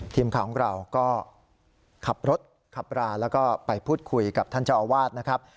ทีมข่าวของเราก็ขับรถขับราแล้วก็ไปพูดคุยกับท่านเจ้าอาวาสนะครับ